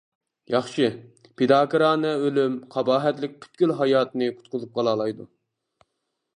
ياخشى، پىداكارانە ئۆلۈم قاباھەتلىك پۈتكۈل ھاياتنى قۇتقۇزۇپ قالالايدۇ.